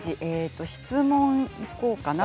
質問にいこうかな。